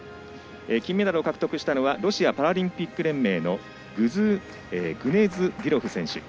金メダルを獲得したのはロシアパラリンピック連盟のグネズディロフ選手。